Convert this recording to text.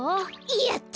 やった！